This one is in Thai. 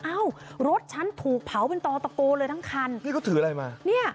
เอ้ารถฉันถูกเผาเป็นตอตะโกเลยทั้งคันนี่เขาถืออะไรมาเนี่ย